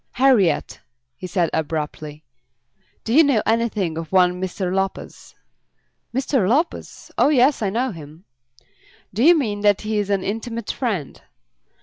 "Harriet," he said abruptly, "do you know anything of one Mr. Lopez?" "Mr. Lopez! Oh yes, I know him." "Do you mean that he is an intimate friend?"